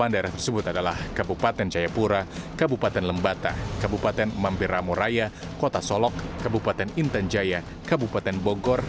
delapan daerah tersebut adalah kabupaten jayapura kabupaten lembata kabupaten mampiramuraya kota solok kabupaten intan jaya kabupaten bogor